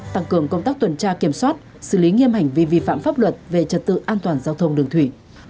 tăng cường công tác tuần tra kiểm soát xử lý nghiêm hành vi vi phạm pháp luật về trật tự an toàn giao thông đường thủy